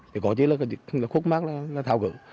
thì có chứ là khuất mát là thao cử